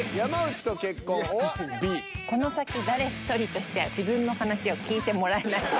この先誰一人として自分の話を聞いてもらえない。